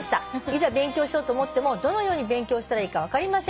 「いざ勉強しようと思ってもどのように勉強したらいいか分かりません」